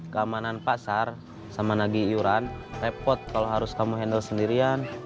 keamanan pasar sama nagi iuran repot kalau harus kamu handle sendirian